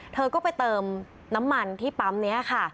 เธอก็ไปเติมน้ำมันที่ปั๊มนี้ค่ะ